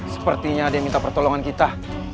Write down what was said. sepertinya ada yang minta pertolongan kita